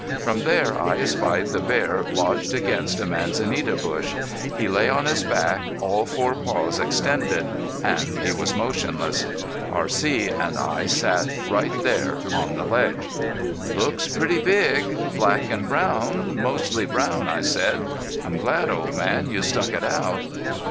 From there I espied the bear lodged against a manzanita bush. He lay on his back, all four paws extended, and he was motionless. R.C. and I sat down right there on the ledge. "Looks pretty big black and brown mostly brown," I said. "I'm glad, old man, you stuck it out."